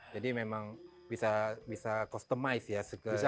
jadi memang bisa customise ya sekeinginan